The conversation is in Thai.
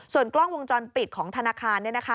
ส่วนกล้องวงจรปิดของธนาคาร